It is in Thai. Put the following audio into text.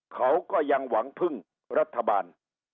เขาก็ยังหวังพึ่งรัฐบาล